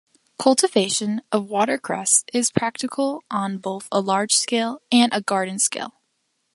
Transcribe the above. Cultivation of watercress is practical on both a large-scale and a garden-scale.